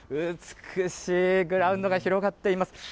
美しいグラウンドが広がっています。